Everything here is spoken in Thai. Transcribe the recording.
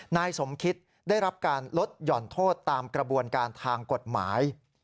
นายสมคิดได้รับการลดหย่อนโทษตามกระบวนการทางกฎหมาย